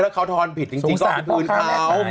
ถ้าเขาทอนผิดจริงก็ผิดพื้นเขา